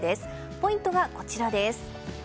ポイントがこちらです。